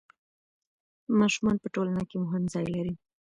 ماشومان په ټولنه کې مهم ځای لري.